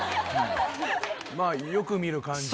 まあ、よく見る感じの。